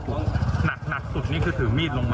เพราะหนักสุดนี่คือถือมีดลงมา